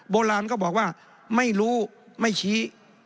โบราณก็บอกว่าไม่รู้ไม่ชี้